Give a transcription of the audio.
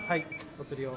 お釣りを。